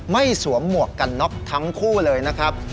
สวมหมวกกันน็อกทั้งคู่เลยนะครับ